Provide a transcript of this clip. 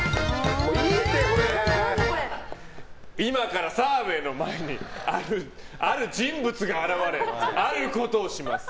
今から澤部の前にある人物が現れあることをします。